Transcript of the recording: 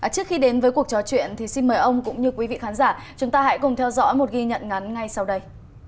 trước khi đến với cuộc trò chuyện thì xin mời ông cũng như quý vị khán giả chúng ta hãy cùng theo dõi một ghi nhận ngắn ngay sau đây